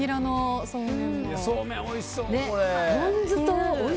そうめん、おいしそうこれ。